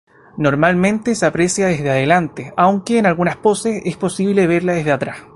Normalmente se aprecia desde delante, aunque en algunas poses es posible verla desde atrás.